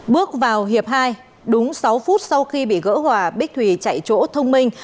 bước vào hiệp hai đúng sáu phút sau khi bị gỡ hòa bích thùy chạy chỗ thông minh